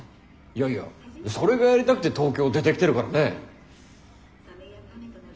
いやいやそれがやりたくて東京出てきてるからね。